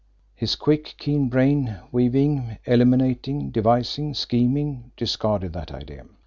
His quick, keen brain, weaving, eliminating, devising, scheming, discarded that idea.